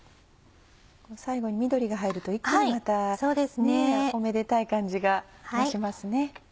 最後に緑が入ると一気におめでたい感じがしますね。